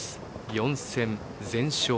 ４戦全勝。